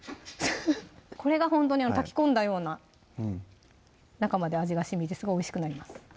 これがほんとに炊き込んだような中まで味がしみてすごいおいしくなります